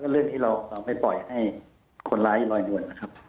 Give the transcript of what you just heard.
เรื่องนี้เราไม่ปล่อยให้คนร้ายลอยยวนนะครับ